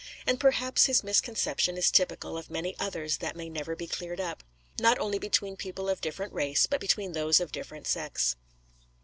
And perhaps the misconception is typical of many others that may never be cleared up: not only between people of different race, but between those of different sex.